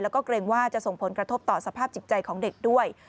แล้วก็เกรงว่าจะส่งผลกระทบต่อสภาพจิตใจของเด็กด้วย